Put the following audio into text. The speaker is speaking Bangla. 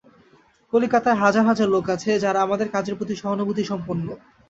কলিকাতায় হাজার হাজার লোক আছে, যারা আমাদের কাজের প্রতি সহানুভূতিসম্পন্ন।